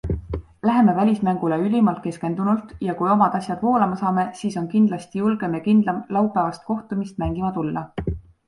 Läheme välismängule ülimalt keskendunult ja kui omad asjad voolama saame, siis on kindlasti julgem ja kindlam laupäevast kohtumist mängima tulla.